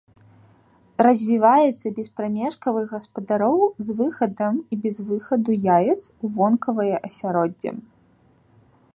Развіваецца без прамежкавых гаспадароў з выхадам і без выхаду яец у вонкавае асяроддзе.